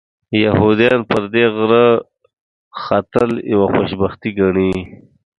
یهودان پر دې غره ښخېدل یوه خوشبختي ګڼي.